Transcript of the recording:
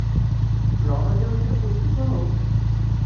রওনা দেওয়ার জন্য প্রস্তুত হও!